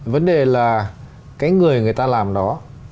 vấn đề là cái người người ta làm đó